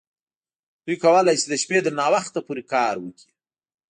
دوی کولی شي د شپې تر ناوخته پورې کار وکړي